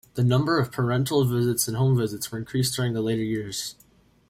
The number of parental visits and home visits were increased during the later years.